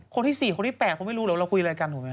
คนที่สี่คนที่แปดเขาไม่รู้แล้วเราคุยอะไรกัน